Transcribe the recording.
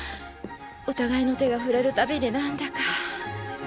お互いの手が触れるたびになんだか。